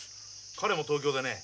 彼も東京でね